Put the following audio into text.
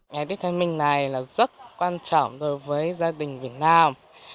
ngày tết thanh minh này là rất quan trọng đối với gia đình việt nam